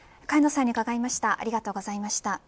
萱野さんに伺いました。